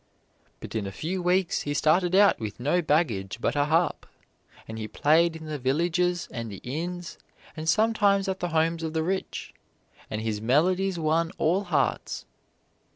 But in a few weeks he started out with no baggage but a harp, and he played in the villages and the inns, and sometimes at the homes of the rich. And his melodies won all hearts.